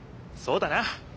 そうだな。